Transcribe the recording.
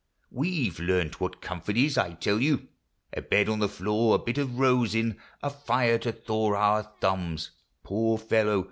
We 've learned what comfort is, I tell you ! A bed on the floor, a bit of rosin, A fire to thaw our thumbs (poor fellow